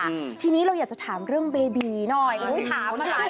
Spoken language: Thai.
อืมทีนี้เราอยากจะถามเรื่องเบบีหน่อยอุ้ยถามมาหลาย